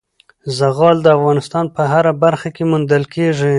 زغال د افغانستان په هره برخه کې موندل کېږي.